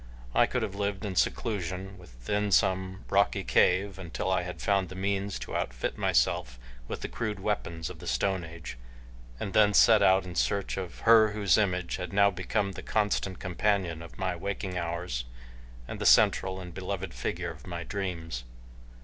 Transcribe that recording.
I could have lived in seclusion within some rocky cave until I had found the means to outfit myself with the crude weapons of the Stone Age, and then set out in search of her whose image had now become the constant companion of my waking hours, and the central and beloved figure of my dreams.